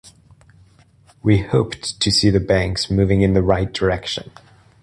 We hoped to see the banks moving in the right direction.